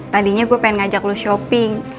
tadinya gue pengen ngajak lu shopping